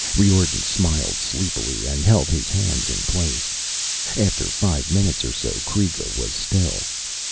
Riordan smiled sleepily and held his hands in place. After five minutes or so Kreega was still.